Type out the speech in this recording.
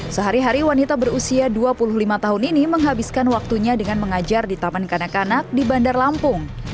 sehari hari wanita berusia dua puluh lima tahun ini menghabiskan waktunya dengan mengajar di taman kanak kanak di bandar lampung